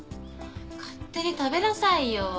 勝手に食べなさいよ。